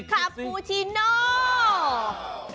คาฟูชิโน